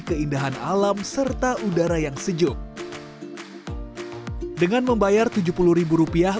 keindahan alam serta udara yang sejuk dengan membayar tujuh puluh rupiah